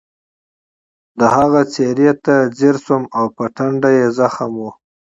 د هغې څېرې ته ځیر شوم او په ټنډه یې زخم و